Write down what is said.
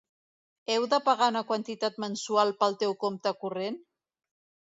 Heu de pagar una quantitat mensual pel teu compte corrent?